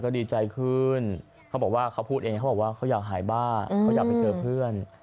ยังไม่ใจขึ้นเค้าพูดเองเค้าบอกว่าเค้าอยากหายบ้าเค้าอยากมาเจอเพื่อน